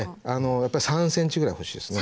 やっぱり３ｃｍぐらいほしいですね。